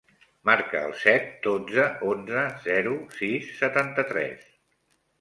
Marca el set, dotze, onze, zero, sis, setanta-tres.